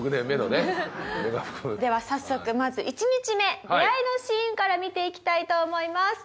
では早速まず１日目出会いのシーンから見ていきたいと思います。